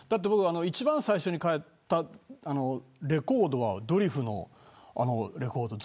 一番最初に買ったレコードはドリフのレコード。